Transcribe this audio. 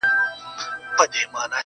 ستا وه ځوانۍ ته دي لوگى سمه زه.